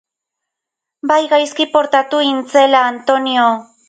Bai gaizki portatu hintzela, Antonio.